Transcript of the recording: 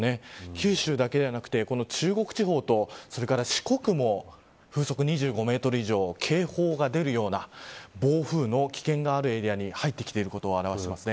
九州だけではなくて中国地方とそれから四国も風速２５メートル以上警報が出るような暴風の危険があるエリアに入ってきていることをあらわしてます。